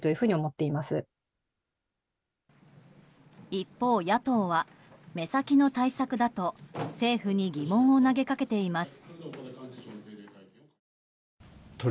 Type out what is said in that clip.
一方、野党は目先の対策だと政府に疑問を投げかけています。